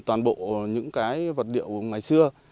bằng bộ những cái vật liệu ngày xưa